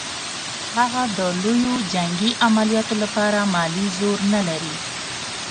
هغه د لویو جنګي عملیاتو لپاره مالي زور نه لري.